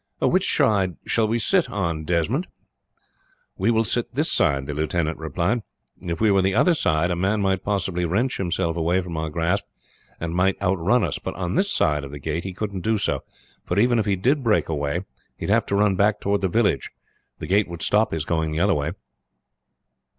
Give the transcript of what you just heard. "Which side shall we sit, Desmond?" "We will sit this side," the lieutenant replied. "If we were the other side a man might possibly wrench himself way from our grasp, and might outrun us, but on this side of the gate he couldn't do so; for even if he did break away he would have to run back toward the village, the gate would stop his going the other way."